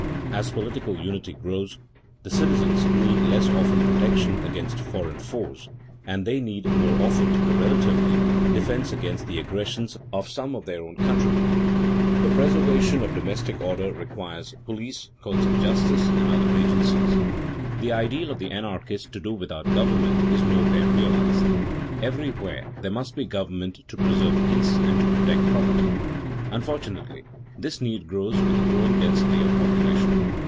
As political unity grows, the citizens need less often protection against foreign foes, and they need more often, relatively, defense against the aggressions of some of their own countrymen. The preservation of domestic order requires police, courts of justice, and other agencies. The ideal of the anarchist to do without government is nowhere realized. Everywhere there must be government to preserve peace and to protect property. Unfortunately, this need grows with the growing density of population.